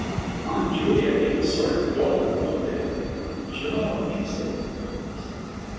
Aunt Julia gave a sort of gulp and looked at him. 'Joe!' she said in a kind of whisper.